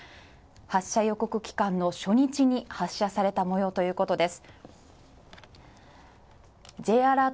発射予告期間の初日に発射されたということです。